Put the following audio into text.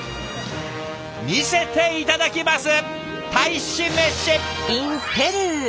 見せて頂きます